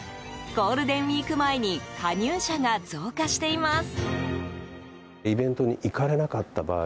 ゴールデンウィーク前に加入者が増加しています。